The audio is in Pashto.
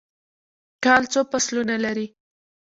کال څو فصلونه لري؟